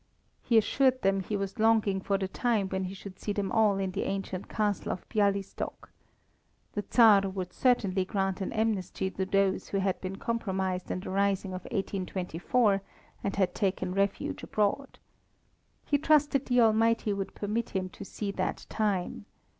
He assured them he was longing for the time when he should see them all in the ancient Castle of Bialystok. The Tsar would certainly grant an amnesty to those who had been compromised in the rising of 1824, and had taken refuge abroad. He trusted the Almighty would permit him to see that time.